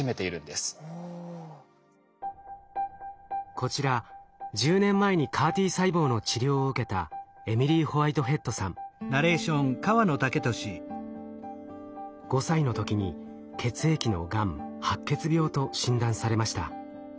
こちら１０年前にＣＡＲ−Ｔ細胞の治療を受けた５歳のときに血液のがん白血病と診断されました。